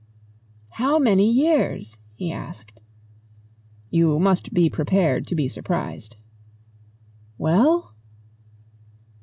"How many years?" he asked. "You must be prepared to be surprised." "Well?"